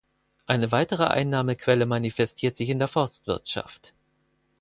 Eine weitere Einnahmequelle manifestiert sich in der Forstwirtschaft.